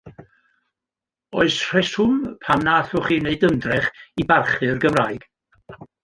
Oes rheswm pam na allwch chi wneud ymdrech i barchu'r Gymraeg?